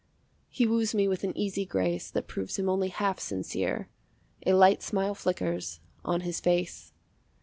He woos me with an easy grace That proves him only half sincere; A light smile flickers on his face.